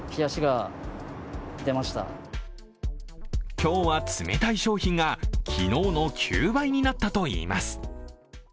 今日は冷たい商品が昨日の９倍になったといいます。